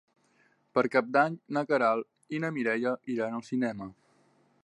Per Cap d'Any na Queralt i na Mireia iran al cinema.